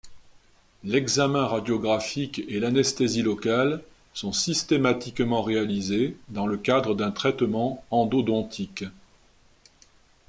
L'examen radiographique et l'anesthésie locale sont systématiquement réalisés dans le cadre d'un traitement endodontique.